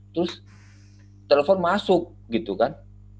terus telepon masuk gitu kan